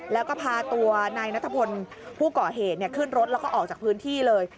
แล้วก็พาตัวนายนัทพลผู้ก่อเหตุขึ้นรถแล้วก็ออกจากพื้นที่เลย